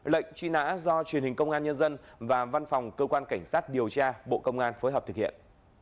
lệnh truy nã do truyền hình công an nhân dân và văn phòng cơ quan cảnh sát điều tra bộ công an phối hợp thực hiện